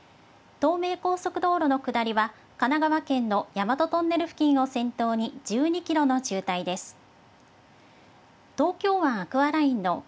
東名高速道路の下りは、神奈川県の大和トンネル付近を先頭に１２キロの渋滞です。